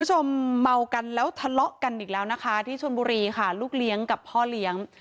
เมากันแล้วทะเลาะกันอีกแล้วนะคะที่ชนบุรีค่ะลูกเลี้ยงกับพ่อเลี้ยง